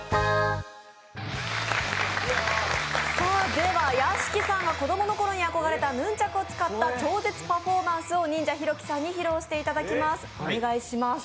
では屋敷さんが子供のころに憧れたヌンチャクを使った超絶パフォーマンスをニンジャＨＩＲＯＫＩさんに披露していただきます。